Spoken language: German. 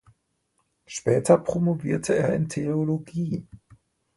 Später promovierte er in Theologie.